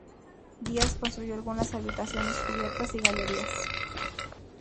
Díaz construyó algunas habitaciones, cubiertas y galerías.